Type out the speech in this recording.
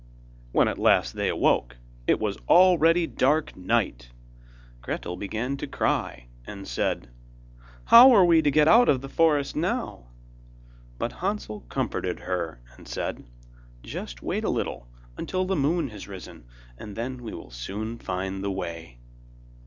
When at last they awoke, it was already dark night. Gretel began to cry and said: 'How are we to get out of the forest now?' But Hansel comforted her and said: 'Just wait a little, until the moon has risen, and then we will soon find the way.